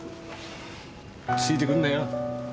ついてくんなよ。